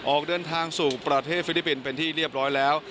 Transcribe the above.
ออกเดินทางสู่ประเทศฟิลิปปินส์เป็นที่เรียบร้อยแล้ว